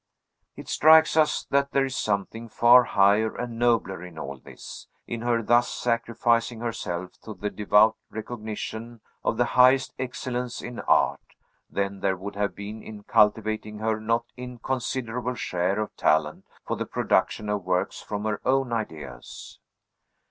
It strikes us that there is something far higher and nobler in all this, in her thus sacrificing herself to the devout recognition of the highest excellence in art, than there would have been in cultivating her not inconsiderable share of talent for the production of works from her own ideas.